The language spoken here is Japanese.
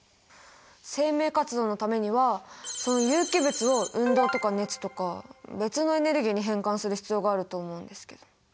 生命活動のためにはその有機物を運動とか熱とか別のエネルギーに変換する必要があると思うんですけど。